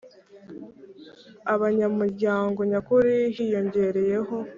abanyamuryango nyakuri hiyongereyeho